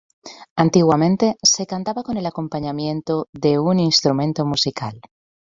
Antiguamente se cantaba con el acompañamiento de un instrumento musical.